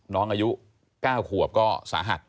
น้องอายุ๙ขวบก็สาหัส